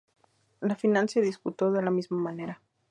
La final se disputó de la misma manera.